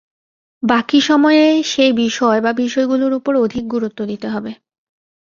বাকি সময়ে সেই বিষয় বা বিষয়গুলোর ওপর অধিক গুরুত্ব দিতে হবে।